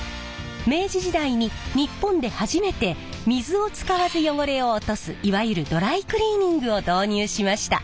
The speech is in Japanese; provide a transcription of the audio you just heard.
明治時代に日本で初めて水を使わず汚れを落とすいわゆるドライクリーニングを導入しました。